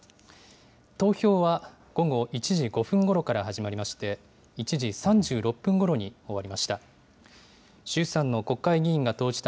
投票は午後１時５分ごろから始まりまして、１時３６分ごろに終わりました。